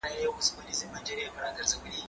ته ولي کالي وچوې!.